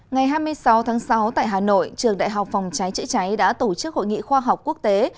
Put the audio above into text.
ngày hai mươi sáu tháng sáu tại hà nội trường đại học phòng cháy chữa cháy đã tổ chức hội nghị khoa học quốc tế